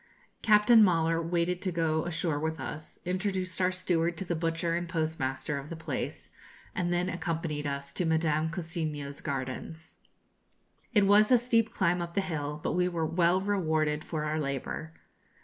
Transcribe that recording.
Captain Möller waited to go ashore with us, introduced our steward to the butcher and postmaster of the place, and then accompanied us to Madame Cousiño's gardens. It was a steep climb up the hill, but we were well rewarded for our labour.